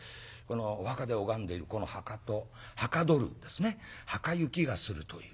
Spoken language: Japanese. お墓で拝んでいるこの墓とはかどるんですねはかゆきがするという